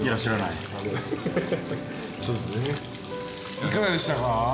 いかがでしたか？